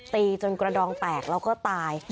ตีจนกระดองแตกแล้วก็ตาย